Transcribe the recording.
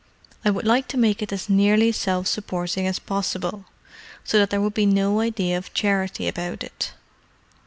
I would like to make it as nearly self supporting as possible, so that there would be no idea of charity about it."